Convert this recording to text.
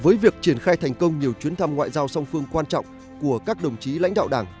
với việc triển khai thành công nhiều chuyến thăm ngoại giao song phương quan trọng của các đồng chí lãnh đạo đảng